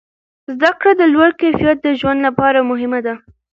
زده کړه د لوړ کیفیت د ژوند لپاره مهمه ده.